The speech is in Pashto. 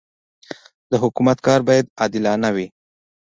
د حکومت کار باید عادلانه وي.